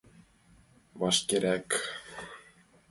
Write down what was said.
— Вашкерак!